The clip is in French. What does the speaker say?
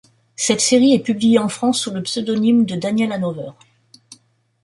Cette série est publiée en France sous le pseudonyme de Daniel Hanover.